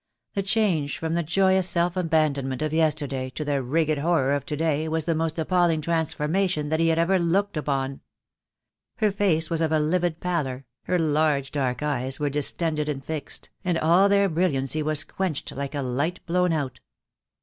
The change from the joyous self abandonment of yesterday to the rigid horror of to day was the most appalling transformation that he had ever looked upon. Her face was of a livid pallor, her large dark eyes were distended and fixed, and all their brilliancy was quenched like a light blown out.